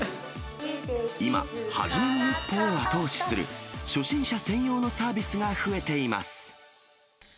今、はじめの一歩を後押しする初心者専用のサービスが増えています。